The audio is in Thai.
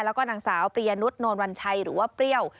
แล้วก็นางสาวปริยนุษย์นวลวัญชัยหรือว่าเปรี้ยว